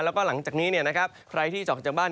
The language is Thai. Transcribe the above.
แล้วก็หลังจากนี้ใครที่จะออกจากบ้าน